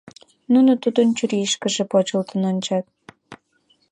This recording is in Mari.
Нуно Тудын чурийышкыже почылтын ончат.